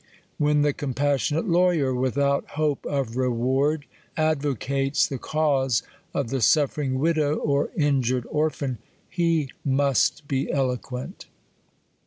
When the compassionate lawyer, with out hope of reward, advocates the cause of the suffer^ ing widow, or injured orphan, he must be eloquent.